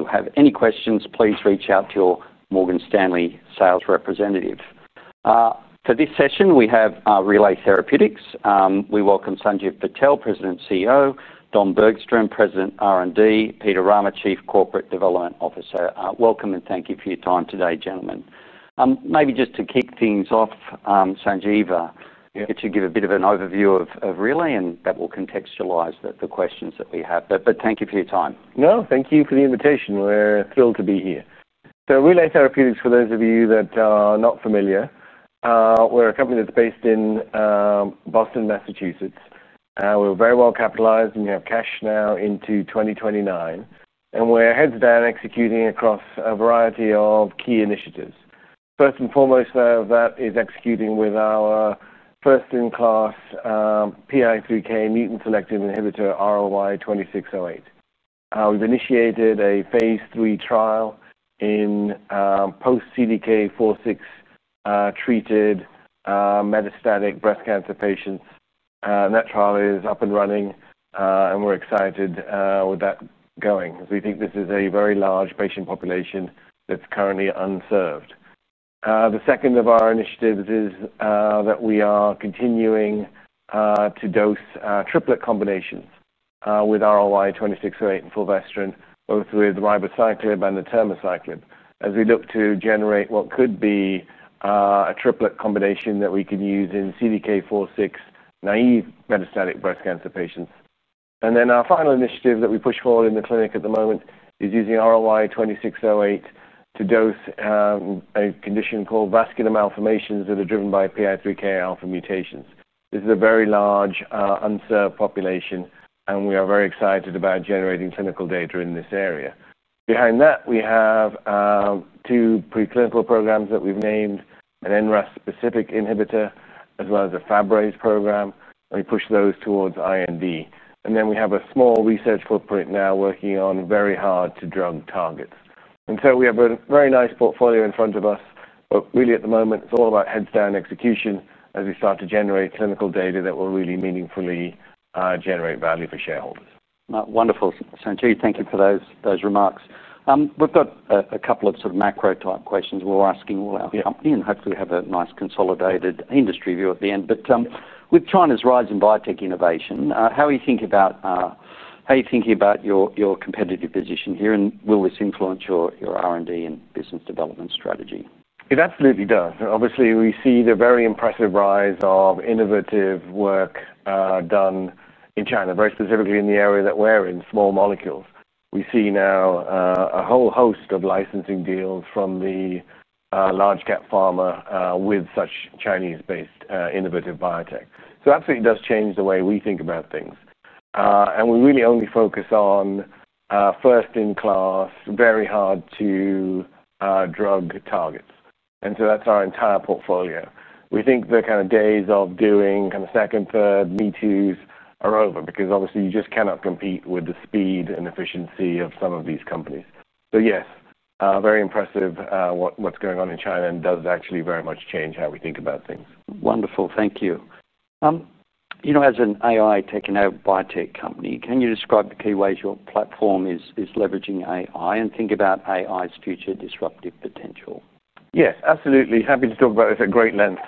If you have any questions, please reach out to your Morgan Stanley sales representative. For this session, we have Relay Therapeutics. We welcome Sanjiv Patel, President & CEO; Don Bergstrom, President, R&D; and Peter Rahmer, Chief Corporate Development Officer. Welcome and thank you for your time today, gentlemen. Maybe just to kick things off, Sanjiv, could you give a bit of an overview of Relay? That will contextualize the questions that we have. Thank you for your time. No, thank you for the invitation. We're thrilled to be here. Relay Therapeutics, for those of you that are not familiar, we're a company that's based in Boston, Massachusetts. We're very well capitalized, and we have cash now into 2029. We're heads down executing across a variety of key initiatives. First and foremost, that is executing with our first-in-class, PI3K mutant-selective inhibitor RLY-2608. We've initiated a phase 3 trial in post-CDK4/6 treated metastatic breast cancer patients. That trial is up and running, and we're excited with that going because we think this is a very large patient population that's currently unserved. The second of our initiatives is that we are continuing to dose triplet combinations with RLY-2608 and fulvestrant, both with ribociclib and temaciclib, as we look to generate what could be a triplet combination that we can use in CDK4/6 naive metastatic breast cancer patients. Our final initiative that we push forward in the clinic at the moment is using RLY-2608 to dose a condition called vascular malformations that are driven by PI3K alpha mutations. This is a very large, unserved population, and we are very excited about generating clinical data in this area. Behind that, we have two preclinical programs that we've named: an NRAS-specific inhibitor, as well as a Fabbraze program, and we push those towards IND. We have a small research footprint now working on very hard-to-drug targets. We have a very nice portfolio in front of us, but really at the moment, it's all about heads-down execution as we start to generate clinical data that will really meaningfully generate value for shareholders. Wonderful, Sanjiv. Thank you for those remarks. We've got a couple of sort of macro type questions we'll ask in all our company, and hopefully we have a nice consolidated industry view at the end. With China's rise in biotech innovation, how are you thinking about your competitive position here? Will this influence your R&D and business development strategy? It absolutely does. Obviously, we see the very impressive rise of innovative work done in China, very specifically in the area that we're in, small molecules. We see now a whole host of licensing deals from the large-cap pharma with such Chinese-based, innovative biotech. It absolutely does change the way we think about things. We really only focus on first-in-class, very hard-to-drug targets, and that's our entire portfolio. We think the kind of days of doing kind of second, third, me toos are over because obviously you just cannot compete with the speed and efficiency of some of these companies. Yes, very impressive, what's going on in China and does actually very much change how we think about things. Wonderful. Thank you. As an AI-tech and now biotech company, can you describe the key ways your platform is leveraging AI and think about AI's future disruptive potential? Yeah, absolutely. Happy to talk about this at great length.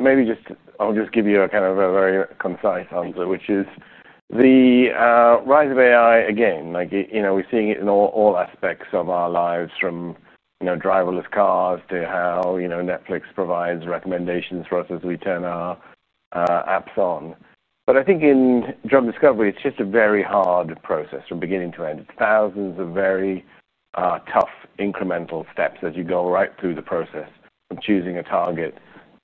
Maybe I'll just give you a very concise answer, which is the rise of AI again. We're seeing it in all aspects of our lives, from driverless cars to how Netflix provides recommendations for us as we turn our apps on. I think in drug discovery, it's just a very hard process from beginning to end. It's thousands of very tough incremental steps as you go right through the process, from choosing a target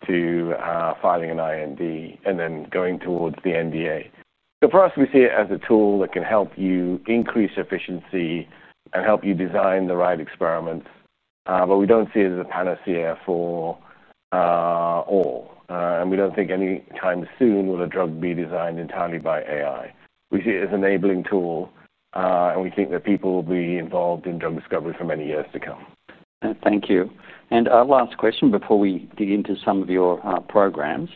to filing an IND and then going towards the NDA. For us, we see it as a tool that can help you increase efficiency and help you design the right experiments. We don't see it as a panacea for all, and we don't think any time soon will a drug be designed entirely by AI. We see it as an enabling tool, and we think that people will be involved in drug discovery for many years to come. Thank you. Last question before we dig into some of your programs.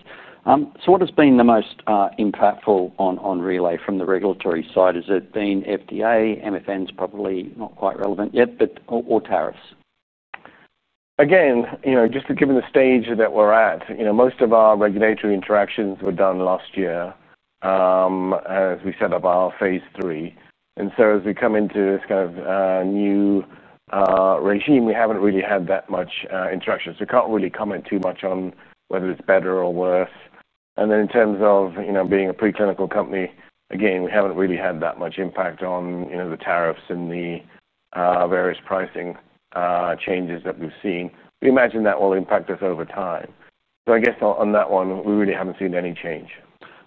What has been the most impactful on Relay from the regulatory side? Has it been FDA, MFNs probably not quite relevant yet, or tariffs? Again, just given the stage that we're at, most of our regulatory interactions were done last year, as we set up our phase 3. As we come into this kind of new regime, we haven't really had that much interaction. We can't really comment too much on whether it's better or worse. In terms of being a preclinical company, we haven't really had that much impact on the tariffs and the various pricing changes that we've seen. We imagine that will impact us over time. On that one, we really haven't seen any change.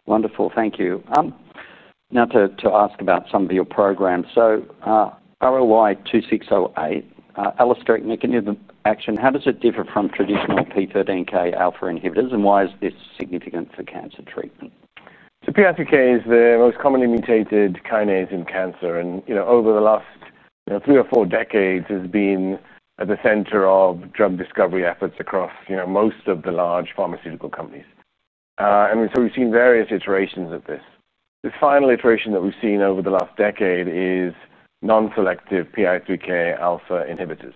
Wonderful. Thank you. Now to ask about some of your programs. RLY-2608, allosteric mechanism of action, how does it differ from traditional PI3K alpha inhibitors and why is this significant for cancer treatment? PI3K is the most commonly mutated kinase in cancer. Over the last three or four decades, it's been at the center of drug discovery efforts across most of the large pharmaceutical companies. We've seen various iterations of this. This final iteration that we've seen over the last decade is non-selective PI3K alpha inhibitors.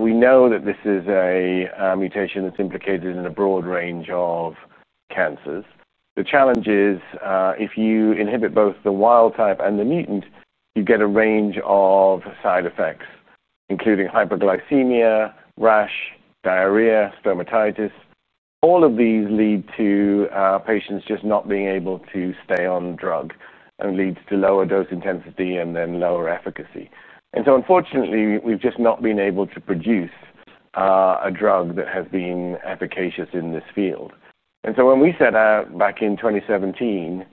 We know that this is a mutation that's implicated in a broad range of cancers. The challenge is, if you inhibit both the wild type and the mutant, you get a range of side effects, including hyperglycemia, rash, diarrhea, stomatitis. All of these lead to patients just not being able to stay on drug and leads to lower dose intensity and then lower efficacy. Unfortunately, we've just not been able to produce a drug that has been efficacious in this field. When we set out back in 2017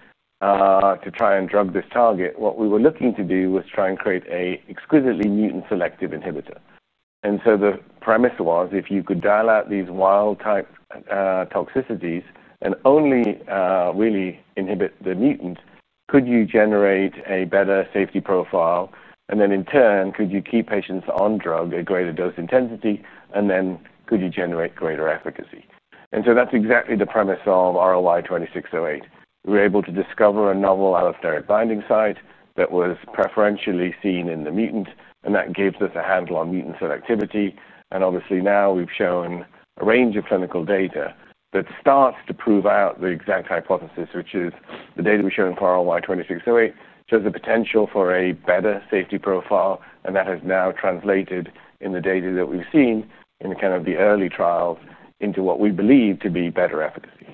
to try and drug this target, what we were looking to do was try and create an exquisitely mutant selective inhibitor. The premise was if you could dial out these wild type toxicities and only really inhibit the mutant, could you generate a better safety profile? In turn, could you keep patients on drug at greater dose intensity? Then could you generate greater efficacy? That's exactly the premise of RLY-2608. We were able to discover a novel allosteric binding site that was preferentially seen in the mutant, and that gives us a handle on mutant selectivity. Obviously, now we've shown a range of clinical data that starts to prove out the exact hypothesis, which is the data we show in RLY-2608 shows the potential for a better safety profile. That has now translated in the data that we've seen in the early trials into what we believe to be better efficacy.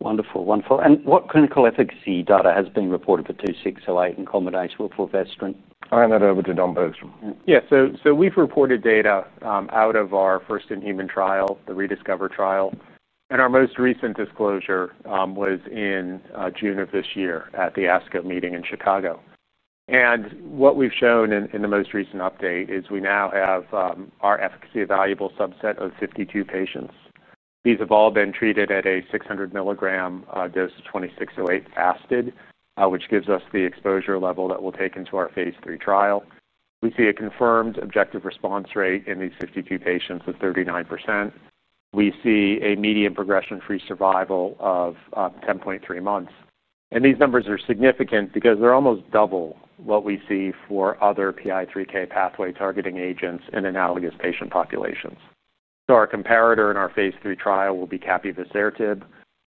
Wonderful. What clinical efficacy data has been reported for RLY-2608 in combination with fulvestrant? I'll hand that over to Don Bergstrom. Yeah, so we've reported data out of our first in human trial, the Rediscover trial. Our most recent disclosure was in June of this year at the ASCO meeting in Chicago. What we've shown in the most recent update is we now have our efficacy evaluable subset of 52 patients. These have all been treated at a 600 milligram dose of RLY-2608 acid, which gives us the exposure level that we'll take into our phase 3 trial. We see a confirmed objective response rate in these 52 patients of 39%. We see a median progression-free survival of 10.3 months. These numbers are significant because they're almost double what we see for other PI3K pathway targeting agents in analogous patient populations. Our comparator in our phase 3 trial will be Capivasertib.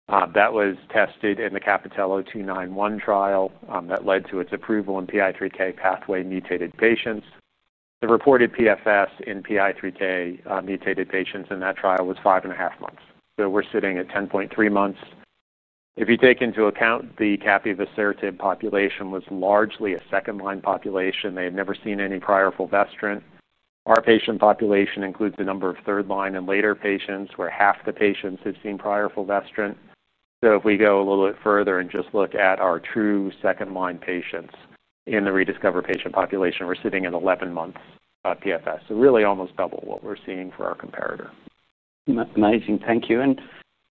That was tested in the Capitello 291 trial that led to its approval in PI3K pathway mutated patients. The reported PFS in PI3K mutated patients in that trial was 5.5 months. We're sitting at 10.3 months. If you take into account the Capivasertib population, it was largely a second-line population. They had never seen any prior Fulvestrant. Our patient population includes a number of third-line and later patients where half the patients have seen prior Fulvestrant. If we go a little bit further and just look at our true second-line patients in the Rediscover patient population, we're sitting at 11 months PFS. Really almost double what we're seeing for our comparator. Amazing. Thank you.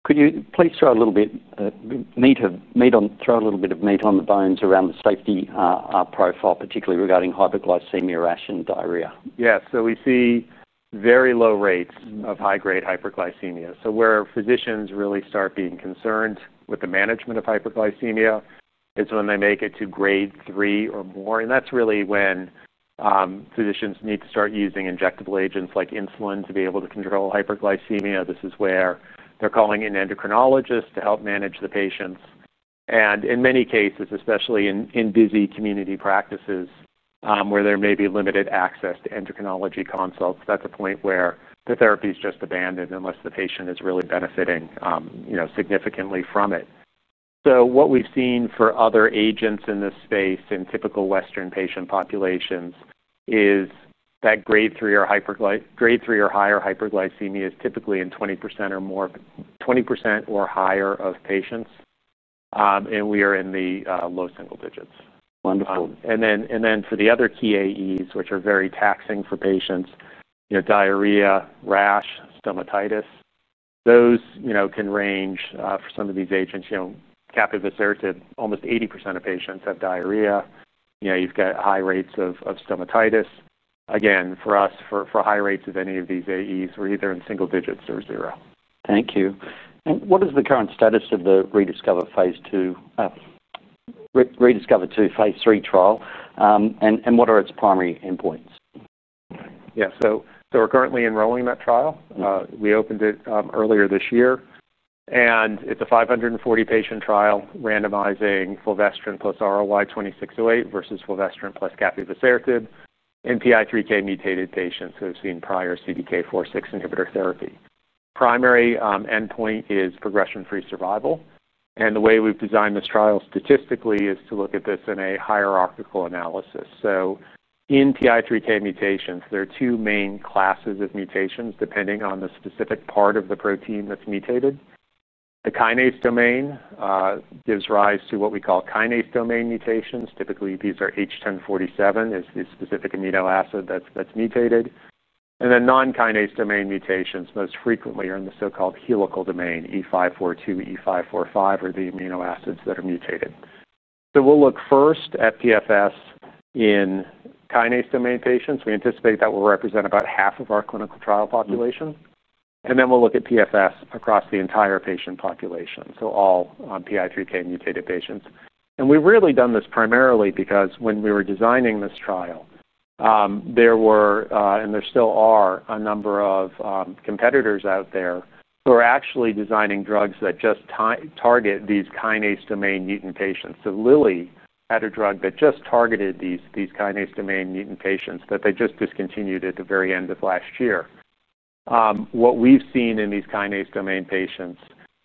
Could you please throw a little bit of meat on the bones around the safety profile, particularly regarding hyperglycemia, rash, and diarrhea? Yeah, we see very low rates of high-grade hyperglycemia. Where physicians really start being concerned with the management of hyperglycemia is when they make it to grade three or more. That's really when physicians need to start using injectable agents like insulin to be able to control hyperglycemia. This is where they're calling in endocrinologists to help manage the patients. In many cases, especially in busy community practices where there may be limited access to endocrinology consults, that's a point where the therapy is just abandoned unless the patient is really benefiting significantly from it. What we've seen for other agents in this space in typical Western patient populations is that grade three or higher hyperglycemia is typically in 20% or higher of patients, and we are in the low single digits. Wonderful. For the other TAEs, which are very taxing for patients, you know, diarrhea, rash, stomatitis, those can range. For some of these agents, you know, Capivasertib, almost 80% of patients have diarrhea. You know, you've got high rates of stomatitis. Again, for us, for high rates of any of these AEs, we're either in single digits or zero. Thank you. What is the current status of the Rediscover 2 phase 3 trial, and what are its primary endpoints? Yeah, so we're currently enrolling that trial. We opened it earlier this year. It's a 540 patient trial randomizing fulvestrant plus RLY-2608 versus fulvestrant plus Capivasertib in PI3K mutated patients who have seen prior CDK4/6 inhibitor therapy. Primary endpoint is progression-free survival. The way we've designed this trial statistically is to look at this in a hierarchical analysis. In PI3K mutations, there are two main classes of mutations depending on the specific part of the protein that's mutated. The kinase domain gives rise to what we call kinase domain mutations. Typically, these are H1047, is the specific amino acid that's mutated. Non-kinase domain mutations most frequently are in the so-called helical domain, E542, E545, are the amino acids that are mutated. We'll look first at PFS in kinase domain patients. We anticipate that will represent about half of our clinical trial population. Then we'll look at PFS across the entire patient population, so all PI3K mutated patients. We've really done this primarily because when we were designing this trial, there were, and there still are, a number of competitors out there who are actually designing drugs that just target these kinase domain mutant patients. Lilly had a drug that just targeted these kinase domain mutant patients, but they just discontinued at the very end of last year. What we've seen in these kinase domain patients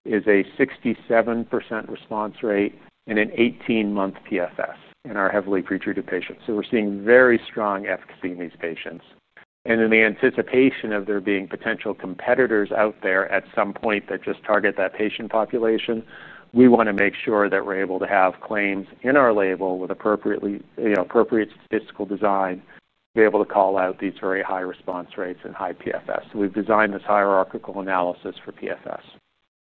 is a 67% response rate and an 18-month PFS in our heavily pretreated patients. We're seeing very strong efficacy in these patients. In the anticipation of there being potential competitors out there at some point that just target that patient population, we want to make sure that we're able to have claims in our label with appropriate statistical design to be able to call out these very high response rates and high PFS. We've designed this hierarchical analysis for PFS.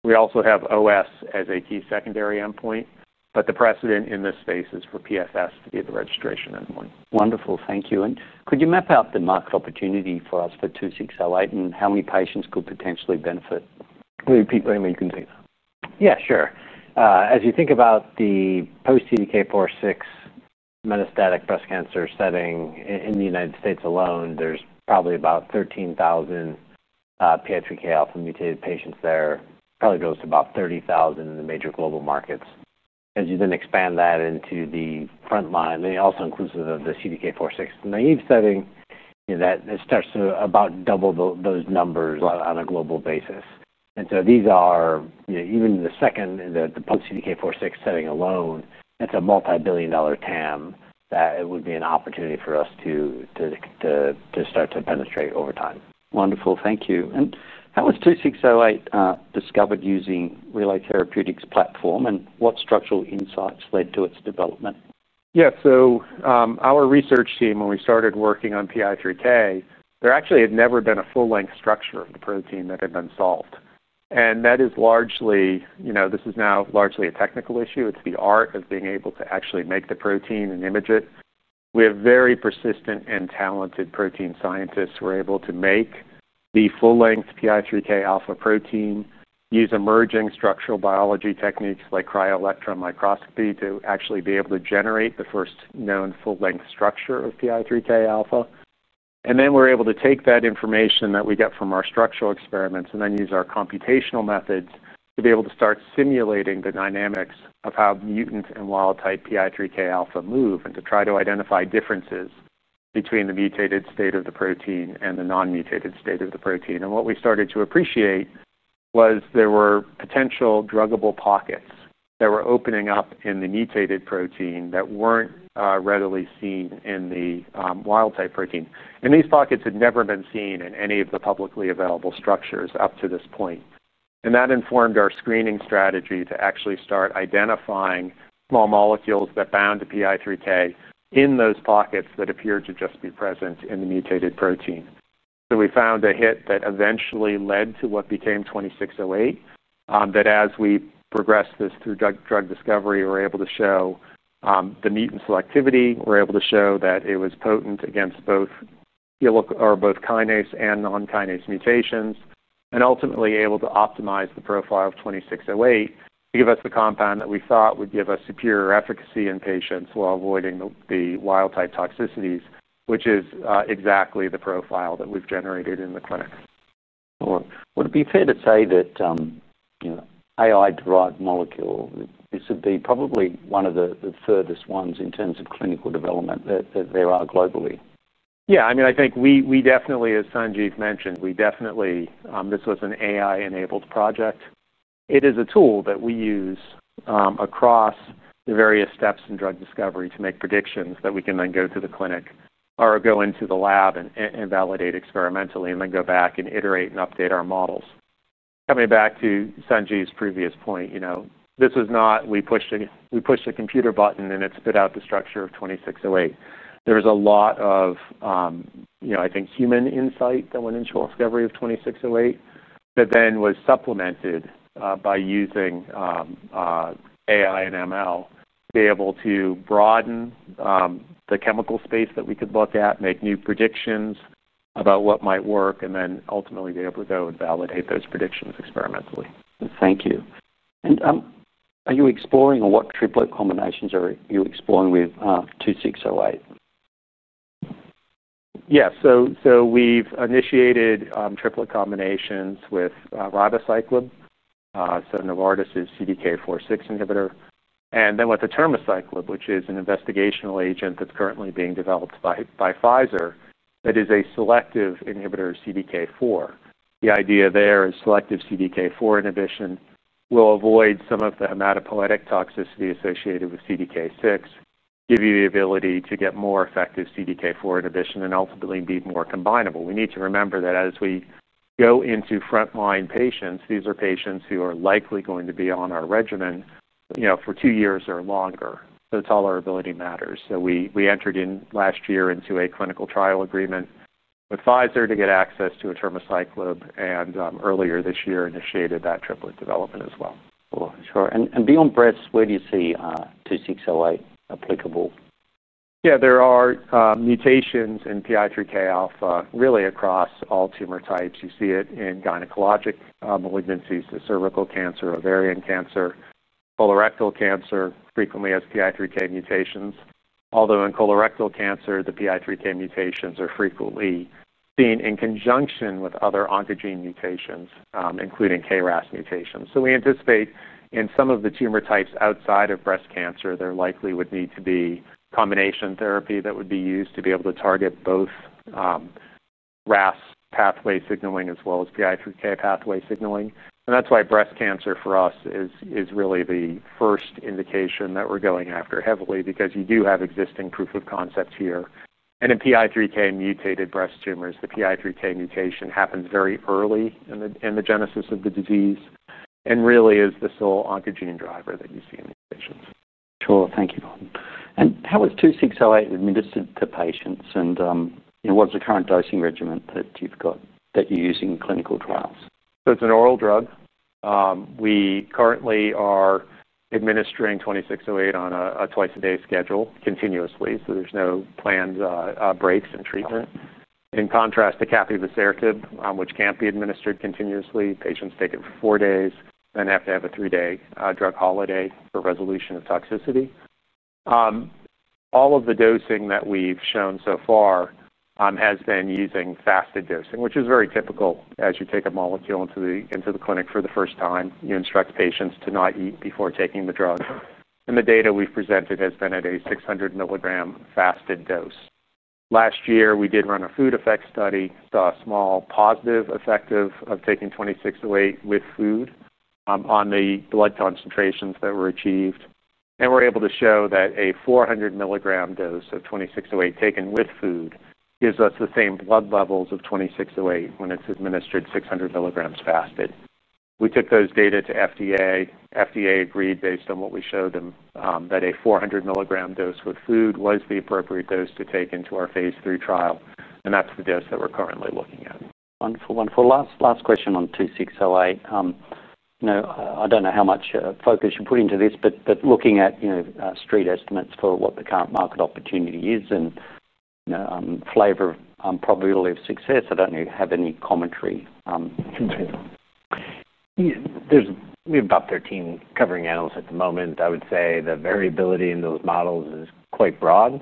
We also have OS as a key secondary endpoint, but the precedent in this space is for PFS to be the registration endpoint. Wonderful. Thank you. Could you map out the market opportunity for us for 2608 and how many patients could potentially benefit? I think people, maybe we can see that. Yeah, sure. As you think about the post-CDK4/6 metastatic breast cancer setting in the U.S. alone, there's probably about 13,000 PI3K alpha mutated patients there. That probably goes to about 30,000 in the major global markets. As you expand that into the frontline, and it also includes the CDK4/6 naive setting, you know, that starts to about double those numbers on a global basis. These are, you know, even the second, the post-CDK4/6 setting alone, it's a multi-billion dollar TAM that it would be an opportunity for us to start to penetrate over time. Wonderful. Thank you. How was RLY-2608 discovered using Relay Therapeutics' platform, and what structural insights led to its development? Yeah, so our research team, when we started working on PI3K, there actually had never been a full-length structure of the protein that had been solved. That is largely, you know, this is now largely a technical issue. It's the art of being able to actually make the protein and image it. We have very persistent and talented protein scientists who are able to make the full-length PI3K alpha protein, use emerging structural biology techniques like cryo-electron microscopy to actually be able to generate the first known full-length structure of PI3K alpha. We are able to take that information that we get from our structural experiments and then use our computational methods to be able to start simulating the dynamics of how mutant and wild-type PI3K alpha move and to try to identify differences between the mutated state of the protein and the non-mutated state of the protein. We started to appreciate there were potential druggable pockets that were opening up in the mutated protein that weren't readily seen in the wild-type protein. These pockets had never been seen in any of the publicly available structures up to this point. That informed our screening strategy to actually start identifying small molecules that bound to PI3K in those pockets that appeared to just be present in the mutated protein. We found a hit that eventually led to what became 2608. As we progressed this through drug discovery, we were able to show the mutant selectivity. We were able to show that it was potent against both kinase and non-kinase mutations, and ultimately able to optimize the profile of 2608 to give us the compound that we thought would give us superior efficacy in patients while avoiding the wild-type toxicities, which is exactly the profile that we've generated in the clinics. Would it be fair to say that AI drug molecule, this would be probably one of the furthest ones in terms of clinical development that there are globally? Yeah, I mean, I think we definitely, as Sanjiv mentioned, this was an AI-enabled project. It is a tool that we use across the various steps in drug discovery to make predictions that we can then go to the clinic or go into the lab and validate experimentally and then go back and iterate and update our models. Coming back to Sanjiv's previous point, this was not, we pushed a computer button and it spit out the structure of 2608. There was a lot of, I think, human insight that went into discovery of 2608 that then was supplemented by using AI and ML to be able to broaden the chemical space that we could look at, make new predictions about what might work, and then ultimately be able to go and validate those predictions experimentally. Thank you. Are you exploring or what triplet combinations are you exploring with RLY-2608? We've initiated triplet combinations with ribociclib, Novartis's CDK4/6 inhibitor, and then with temaciclib, which is an investigational agent that's currently being developed by Pfizer that is a selective inhibitor of CDK4. The idea there is selective CDK4 inhibition will avoid some of the hematopoietic toxicity associated with CDK6, give you the ability to get more effective CDK4 inhibition, and ultimately be more combinable. We need to remember that as we go into frontline patients, these are patients who are likely going to be on our regimen for two years or longer. Tolerability matters. We entered in last year into a clinical trial agreement with Pfizer to get access to temaciclib and earlier this year initiated that triplet development as well. Sure. Beyond breast, where do you see 2608 applicable? Yeah, there are mutations in PI3K alpha really across all tumor types. You see it in gynecologic malignancies, so cervical cancer, ovarian cancer, colorectal cancer frequently has PI3K mutations. Although in colorectal cancer, the PI3K mutations are frequently seen in conjunction with other oncogene mutations, including KRAS mutations. We anticipate in some of the tumor types outside of breast cancer, there likely would need to be combination therapy that would be used to be able to target both RAS pathway signaling as well as PI3K pathway signaling. That's why breast cancer for us is really the first indication that we're going after heavily because you do have existing proof of concepts here. In PI3K mutated breast tumors, the PI3K mutation happens very early in the genesis of the disease and really is the sole oncogene driver that you see in these patients. Thank you, Don. How is 2608 administered to patients, and what's the current dosing regimen that you've got that you're using in clinical trials? It's an oral drug. We currently are administering RLY-2608 on a twice-a-day schedule continuously, so there's no planned breaks in treatment. In contrast to Capivasertib, which can't be administered continuously, patients take it for four days and then have to have a three-day drug holiday for resolution of toxicity. All of the dosing that we've shown so far has been using fasted dosing, which is very typical as you take a molecule into the clinic for the first time. You instruct patients to not eat before taking the drug. The data we've presented has been at a 600 milligram fasted dose. Last year, we did run a food effect study. There was a small positive effect of taking RLY-2608 with food on the blood concentrations that were achieved. We were able to show that a 400 milligram dose of RLY-2608 taken with food gives us the same blood levels of RLY-2608 as when it's administered 600 milligrams fasted. We took those data to the FDA. The FDA agreed, based on what we showed them, that a 400 milligram dose with food was the appropriate dose to take into our phase 3 trial. That's the dose that we're currently looking at. Wonderful. Last question on 2608. I don't know how much focus you put into this, but looking at street estimates for what the current market opportunity is and flavor probability of success, I don't know if you have any commentary. Yeah, there's maybe about 13 covering analysts at the moment. I would say the variability in those models is quite broad.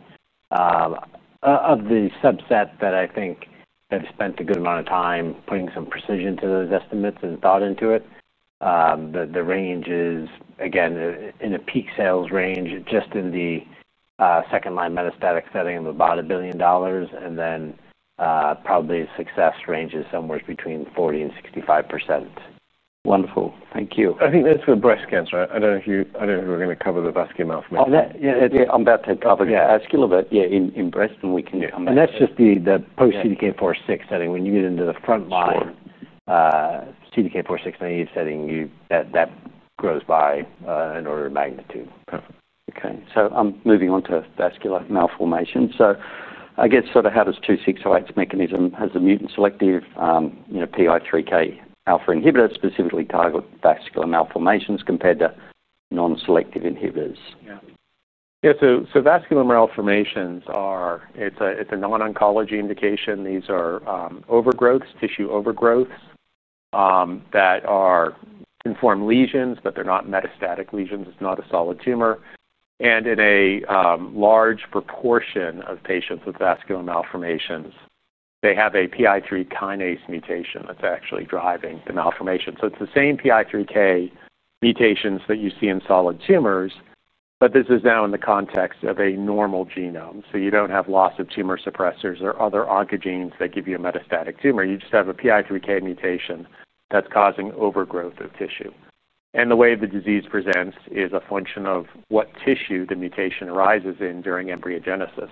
Of the subset that I think have spent a good amount of time putting some precision to those estimates has bought into it. The range is, again, in a peak sales range, just in the second-line metastatic setting of about $1 billion. Probably success ranges somewhere between 40% and 65%. Wonderful. Thank you. I think that's for the breast cancer. I don't know if you, I don't know if we're going to cover the vascular malformation. Yeah, I'm about to cover the vascular, but yeah, in breast, and we can. That's just the post-CDK4/6 setting. When you get into the frontline, CDK4/6 naive setting, that grows by an order of magnitude. Perfect. Okay. I'm moving on to vascular malformation. I guess how does 2608's mechanism as a mutant-selective PI3K alpha inhibitor specifically target vascular malformations compared to non-selective inhibitors? Yeah. Yeah, so vascular malformations are, it's a non-oncology indication. These are overgrowths, tissue overgrowths, that inform lesions, but they're not metastatic lesions. It's not a solid tumor. In a large proportion of patients with vascular malformations, they have a PI3K mutation that's actually driving the malformation. It's the same PI3K mutations that you see in solid tumors, but this is now in the context of a normal genome. You don't have loss of tumor suppressors or other oncogenes that give you a metastatic tumor. You just have a PI3K mutation that's causing overgrowth of tissue. The way the disease presents is a function of what tissue the mutation arises in during embryogenesis.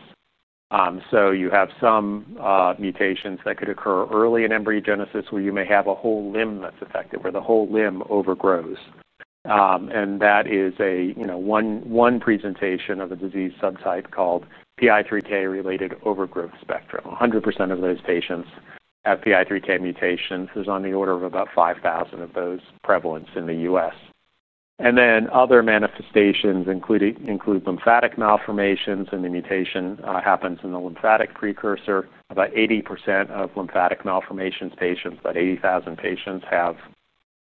You have some mutations that could occur early in embryogenesis where you may have a whole limb that's affected where the whole limb overgrows. That is one presentation of a disease subtype called PI3K-related overgrowth spectrum. 100% of those patients have PI3K mutations. There's on the order of about 5,000 of those prevalence in the U.S. Other manifestations include lymphatic malformations and the mutation happens in the lymphatic precursor. About 80% of lymphatic malformations patients, about 80,000 patients, have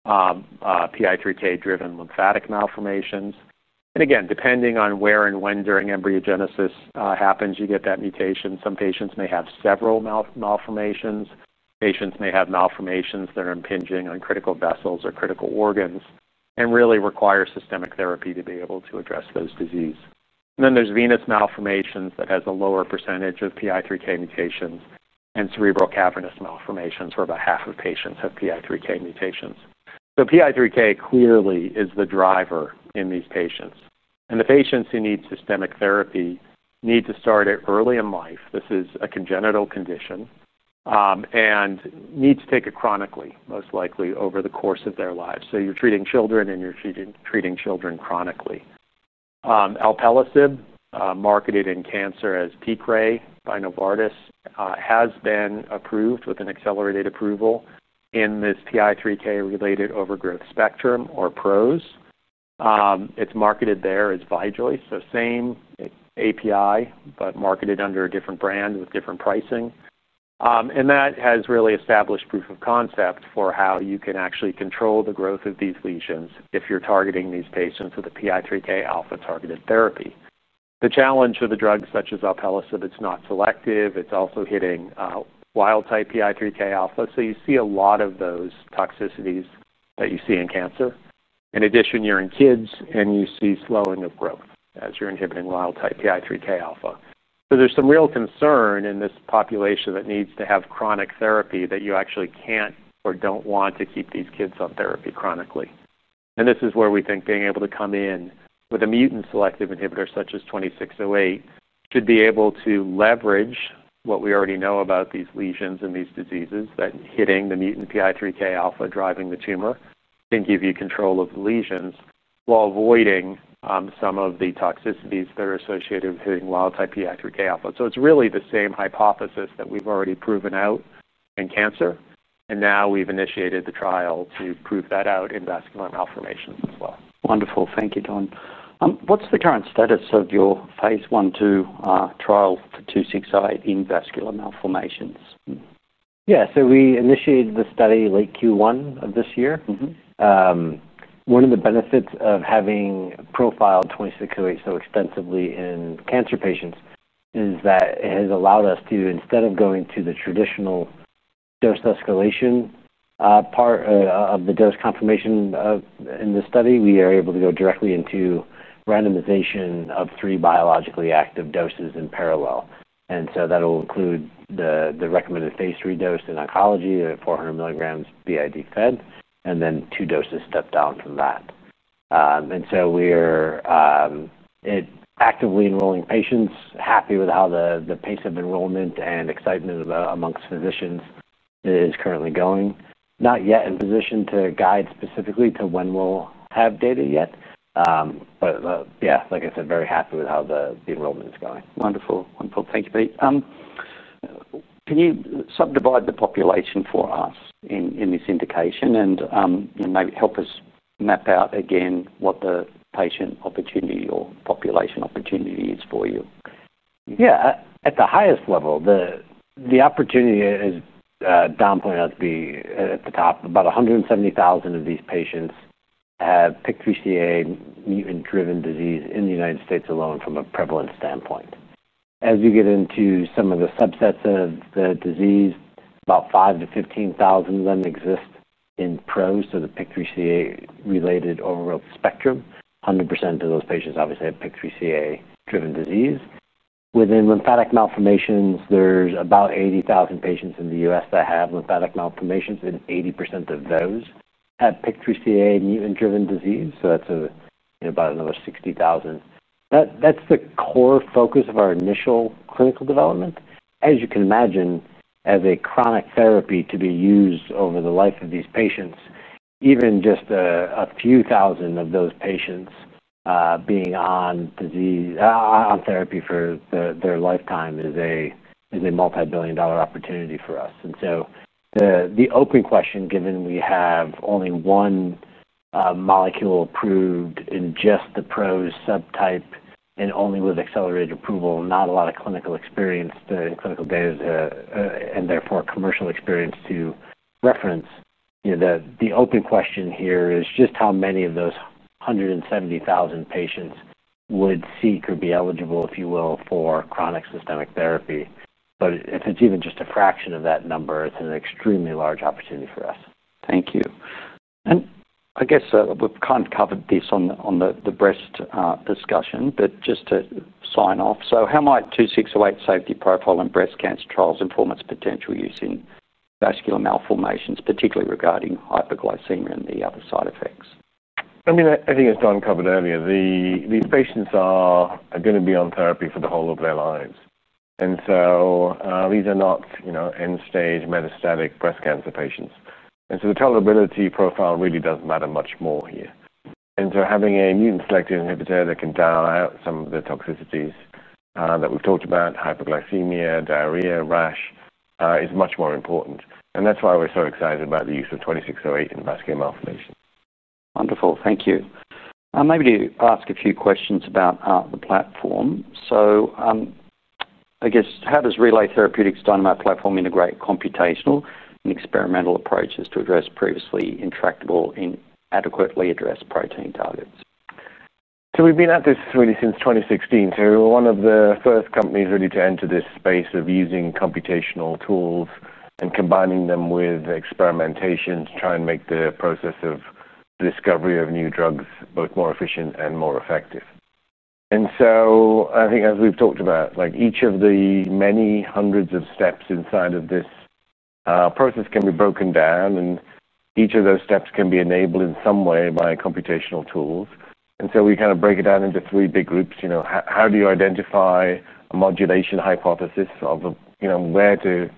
PI3K-driven lymphatic malformations. Depending on where and when during embryogenesis it happens, you get that mutation. Some patients may have several malformations. Patients may have malformations that are impinging on critical vessels or critical organs and really require systemic therapy to be able to address those diseases. There's venous malformations that have a lower percentage of PI3K mutations and cerebral cavernous malformations where about half of patients have PI3K mutations. PI3K clearly is the driver in these patients. The patients who need systemic therapy need to start it early in life. This is a congenital condition and need to take it chronically, most likely over the course of their lives. You're treating children and you're treating children chronically. Alpelisib, marketed in cancer as Piqray by Novartis, has been approved with an accelerated approval in this PI3K-related overgrowth spectrum or PROS. It's marketed there as Vijoyce, so same API, but marketed under a different brand with different pricing. That has really established proof of concept for how you can actually control the growth of these lesions if you're targeting these patients with a PI3K alpha-targeted therapy. The challenge with a drug such as Alpelisib, it's not selective. It's also hitting wild-type PI3K alpha, so you see a lot of those toxicities that you see in cancer. In addition, you're in kids and you see slowing of growth as you're inhibiting wild-type PI3K alpha. There is some real concern in this population that needs to have chronic therapy that you actually can't or don't want to keep these kids on therapy chronically. This is where we think being able to come in with a mutant-selective inhibitor such as RLY-2608 could be able to leverage what we already know about these lesions and these diseases, that hitting the mutant PI3K alpha driving the tumor can give you control of the lesions while avoiding some of the toxicities that are associated with hitting wild-type PI3K alpha. It's really the same hypothesis that we've already proven out in cancer. We have initiated the trial to prove that out in vascular malformations as well. Wonderful. Thank you, Don. What's the current status of your phase 1/2 trial for RLY-2608 in vascular malformations? Yeah, so we initiated the study late Q1 of this year. One of the benefits of having profiled 2608 so extensively in cancer patients is that it has allowed us to, instead of going to the traditional dose escalation, as part of the dose confirmation in the study, we are able to go directly into randomization of three biologically active doses in parallel. That'll include the recommended phase 3 dose in oncology at 400 milligrams BID fed, and then two doses stepped down from that. We are actively enrolling patients, happy with how the pace of enrollment and excitement amongst physicians is currently going. Not yet in position to guide specifically to when we'll have data yet. Like I said, very happy with how the enrollment is going. Wonderful. Thank you, Pete. Can you sum the population for us in this indication and, you know, maybe help us map out again what the patient opportunity or population opportunity is for you? Yeah, at the highest level, the opportunity is, downplaying out to be at the top. About 170,000 of these patients have PI3KCA mutant-driven disease in the U.S. alone from a prevalence standpoint. As you get into some of the subsets of the disease, about 5,000 to 15,000 of them exist in PROS, so the PI3KCA-related overgrowth spectrum. 100% of those patients obviously have PI3KCA-driven disease. Within lymphatic malformations, there's about 80,000 patients in the U.S. that have lymphatic malformations, and 80% of those have PI3KCA mutant-driven disease. That's about another 60,000. That's the core focus of our initial clinical development. As you can imagine, as a chronic therapy to be used over the life of these patients, even just a few thousand of those patients being on therapy for their lifetime is a multi-billion dollar opportunity for us. The open question, given we have only one molecule approved in just the PROS subtype and only with accelerated approval, not a lot of clinical experience to clinical data to, and therefore commercial experience to reference, the open question here is just how many of those 170,000 patients would seek or be eligible, if you will, for chronic systemic therapy. If it's even just a fraction of that number, it's an extremely large opportunity for us. Thank you. I guess we've kind of covered this on the breast discussion, but just to sign off, how might RLY-2608 safety profile and breast cancer trials inform its potential use in vascular malformations, particularly regarding hyperglycemia and the other side effects? I think as Don Bergstrom covered earlier, these patients are going to be on therapy for the whole of their lives. These are not end-stage metastatic breast cancer patients, so the tolerability profile really does matter much more here. Having a mutant-selective inhibitor that can dial out some of the toxicities that we've talked about—hyperglycemia, diarrhea, rash—is much more important. That's why we're so excited about the use of RLY-2608 in vascular malformation. Wonderful. Thank you. I'll maybe ask a few questions about the platform. I guess how does Relay Therapeutics' Dynamo® platform integrate computational and experimental approaches to address previously intractable, inadequately addressed protein targets? We have been at this really since 2016. We were one of the first companies to enter this space of using computational tools and combining them with experimentation to try and make the process of the discovery of new drugs both more efficient and more effective. I think as we've talked about, each of the many hundreds of steps inside of this process can be broken down and each of those steps can be enabled in some way by computational tools. We break it down into three big groups. How do you identify a modulation hypothesis of where to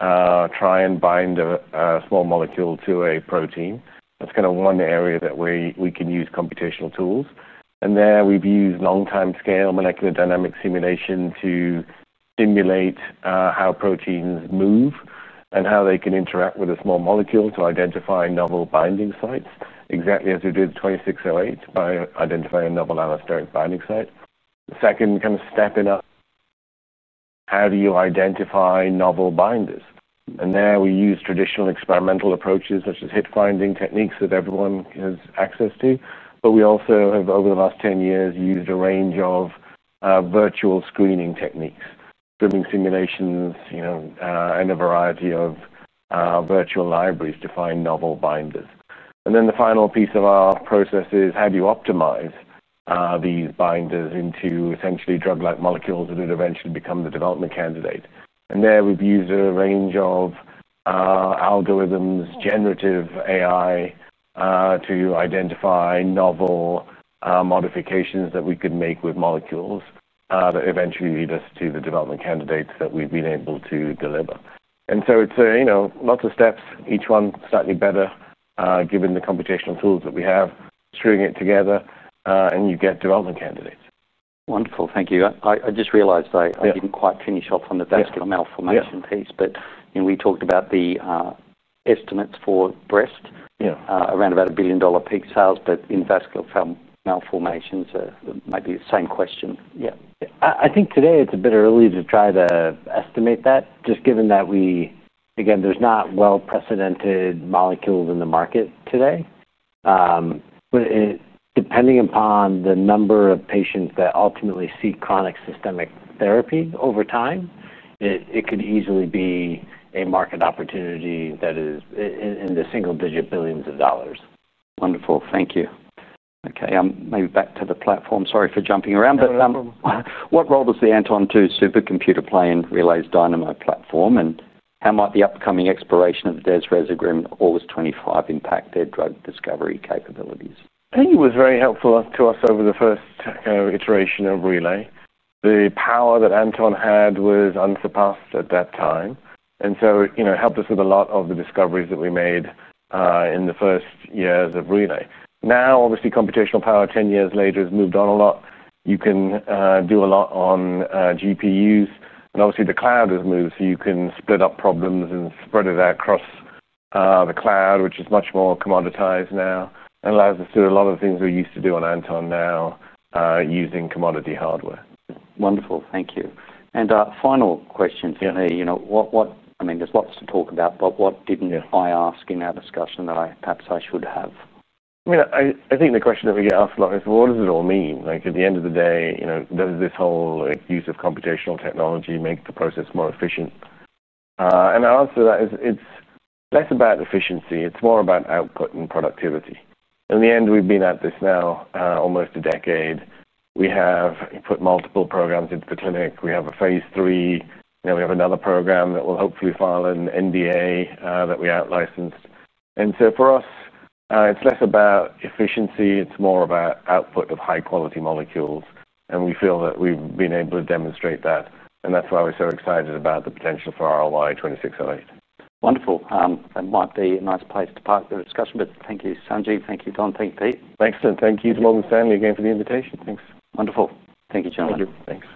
try and bind a small molecule to a protein? That's one area that we can use computational tools. There we've used long-time scale molecular dynamics simulation to simulate how proteins move and how they can interact with a small molecule to identify novel binding sites, exactly as we did with RLY-2608 by identifying a novel allosteric binding site. The second step is how do you identify novel binders? There we use traditional experimental approaches such as hit finding techniques that everyone has access to. We also have, over the last 10 years, used a range of virtual screening techniques, swimming simulations, and a variety of virtual libraries to find novel binders. The final piece of our process is how do you optimize these binders into essentially drug-like molecules that would eventually become the development candidate. There we've used a range of algorithms, generative AI, to identify novel modifications that we could make with molecules that eventually lead us to the development candidates that we've been able to deliver. It's lots of steps, each one slightly better given the computational tools that we have. String it together, and you get development candidates. Wonderful. Thank you. I just realized I didn't quite finish off on the vascular malformation piece. We talked about the estimates for breast, yeah, around about $1 billion peak sales, but in vascular malformations, maybe the same question. Yeah, I think today it's a bit early to try to estimate that, just given that we, again, there's not well-precedented molecules in the market today. Depending upon the number of patients that ultimately seek chronic systemic therapy over time, it could easily be a market opportunity that is in the single digit billions of dollars. Wonderful. Thank you. Okay, I'm maybe back to the platform. Sorry for jumping around, but what role does the Anton II supercomputer play in Relay's Dynamo® platform, and how might the upcoming exploration of the DesRes agreement AULIS-25 impact their drug discovery capabilities? I think it was very helpful to us over the first, you know, iteration of Relay. The power that Anton II had was unsurpassed at that time. It helped us with a lot of the discoveries that we made in the first years of Relay. Now, obviously, computational power 10 years later has moved on a lot. You can do a lot on GPUs. Obviously, the cloud has moved, so you can split up problems and spread it across the cloud, which is much more commoditized now and allows us to do a lot of the things we used to do on Anton II now, using commodity hardware. Wonderful. Thank you. Final question for you, what, I mean, there's lots to talk about, but what didn't I ask in our discussion that perhaps I should have? I think the question that we get asked a lot is, what does it all mean? At the end of the day, does this whole use of computational technology make the process more efficient? Our answer to that is it's less about efficiency. It's more about output and productivity. In the end, we've been at this now almost a decade. We have put multiple programs into the clinic. We have a phase 3. We have another program that will hopefully file an NDA, that we outlicensed. For us, it's less about efficiency. It's more about output of high-quality molecules. We feel that we've been able to demonstrate that. That's why we're so excited about the potential for RLY-2608. Wonderful. That might be a nice place to park the discussion, but thank you, Sanjiv. Thank you, Don. Thank you, Peter. Thanks, and thank you to Morgan Stanley again for the invitation. Thanks. Wonderful. Thank you, John. Thank you. Thanks.